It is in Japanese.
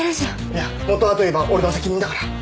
いや本はといえば俺の責任だから。